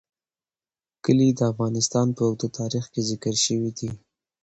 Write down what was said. کلي د افغانستان په اوږده تاریخ کې ذکر شوی دی.